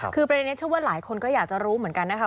คือประเด็นนี้เชื่อว่าหลายคนก็อยากจะรู้เหมือนกันนะคะ